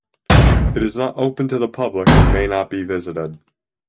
It is not open to the public and may not be visited.